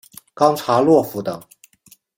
冈察洛夫等。